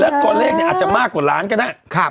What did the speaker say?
แล้วก็เลขอาจจะมากกว่าล้านกันนะ